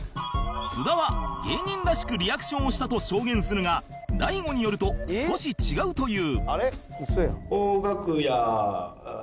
津田は芸人らしくリアクションをしたと証言するが大悟によると少し違うという